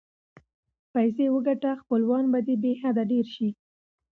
پیسې وګټه خپلوان به دې بی حده ډېر سي.